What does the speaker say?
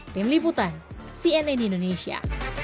tim liputan cnn indonesia